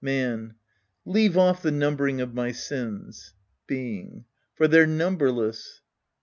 Mafi. ~ Leave off the numbering of my sins. Being. For they're numberless.